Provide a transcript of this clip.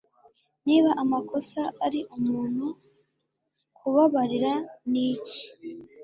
Niba amakosa ari umuntu, kubabarira niki?